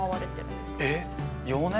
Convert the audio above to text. えっ？